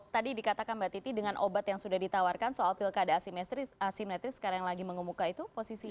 tadi dikatakan mbak titi dengan obat yang sudah ditawarkan soal pilkada asimetris sekarang yang lagi mengemuka itu posisinya